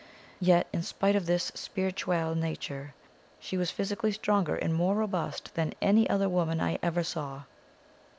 Yet in spite of this spirituelle nature, she was physically stronger and more robust than any other woman I ever saw.